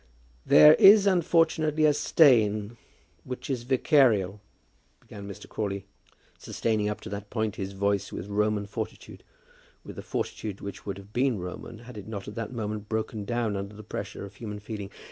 "There is unfortunately a stain, which is vicarial," began Mr. Crawley, sustaining up to that point his voice with Roman fortitude, with a fortitude which would have been Roman had it not at that moment broken down under the pressure of human feeling.